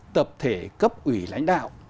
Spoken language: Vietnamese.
tập thể cấp ủy lãnh đạo